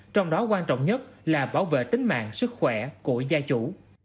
trong đó quan trọng nhất là bảo vệ tính mạng sức khỏe của gia chủ